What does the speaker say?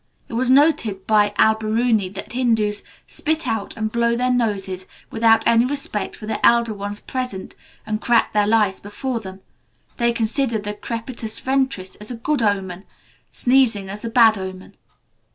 It was noted by Alberuni that Hindus "spit out and blow their noses without any respect for the elder ones present, and crack their lice before them. They consider the crepitus ventris as a good omen, sneezing as a bad omen."